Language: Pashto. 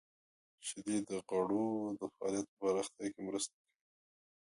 • شیدې د غړو د فعالیت په پراختیا کې مرسته کوي.